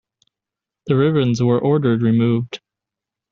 The ribbons were ordered removed.